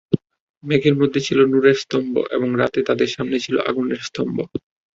মেঘের মধ্যে ছিল নূরের স্তম্ভ এবং রাতে তাদের সামনে ছিল আগুনের স্তম্ভ।